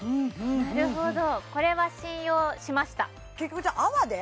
なるほどこれは信用しました結局じゃ泡で？